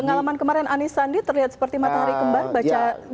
pengalaman kemarin anies sandi terlihat seperti matahari kembar baca